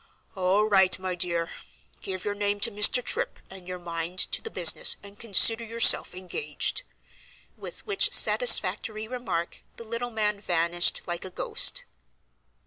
"All right, my dear. Give your name to Mr. Tripp, and your mind to the business, and consider yourself engaged,"—with which satisfactory remark the little man vanished like a ghost.